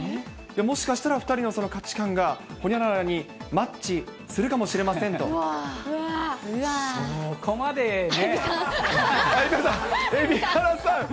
もしかしたら２人の価値観がホニャララにマッチするかもしれませそこまでね。